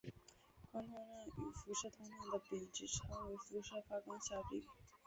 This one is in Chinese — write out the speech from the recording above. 光通量与辐射通量的比值称为辐射发光效率。